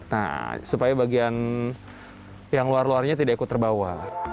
nah supaya bagian yang luar luarnya tidak ikut terbawa